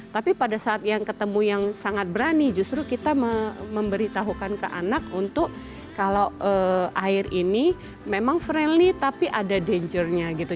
tapi pada saat yang ketemu yang sangat berani justru kita memberitahukan ke anak untuk kalau air ini memang friendly tapi ada dangernya gitu